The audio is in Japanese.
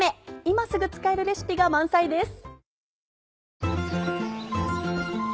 今すぐ使えるレシピが満載です。